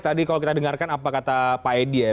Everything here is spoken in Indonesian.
tadi kalau kita dengarkan apa kata pak edi ya